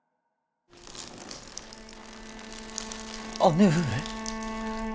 姉上。